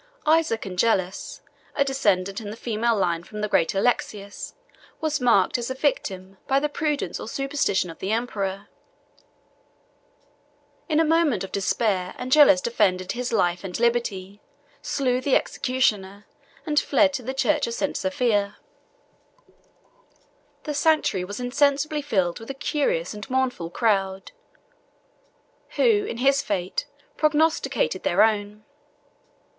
Isaac Angelus, a descendant in the female line from the great Alexius, was marked as a victim by the prudence or superstition of the emperor. 1019 In a moment of despair, Angelus defended his life and liberty, slew the executioner, and fled to the church of St. Sophia. The sanctuary was insensibly filled with a curious and mournful crowd, who, in his fate, prognosticated their own.